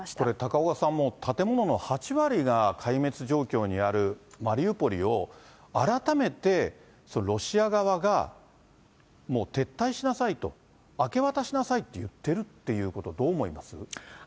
これ、高岡さん、もう建物の８割が壊滅状況にあるマリウポリを、改めてロシア側が、もう撤退しなさいと、明け渡しなさいと言ってるっていうこと、どう思います？